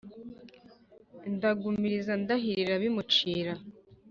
Ndagumiriza ndahirira bimucira